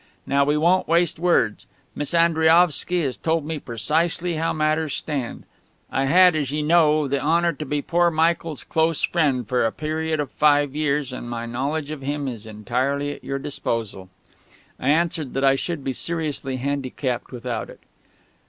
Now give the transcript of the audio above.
"Now we won't waste words. Miss Andriaovsky has told me precisely how matters stand. I had, as ye know, the honour to be poor Michael's close friend for a period of five years, and my knowledge of him is entirely at your disposal." I answered that I should be seriously handicapped without it.